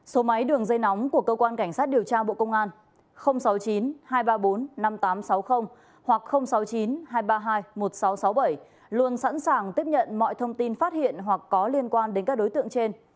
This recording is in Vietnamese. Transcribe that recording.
số máy đường dây nóng của cơ quan cảnh sát điều tra bộ công an sáu mươi chín hai trăm ba mươi bốn năm nghìn tám trăm sáu mươi hoặc sáu mươi chín hai trăm ba mươi hai một nghìn sáu trăm sáu mươi bảy luôn sẵn sàng tiếp nhận mọi thông tin phát hiện hoặc có liên quan đến các đối tượng trên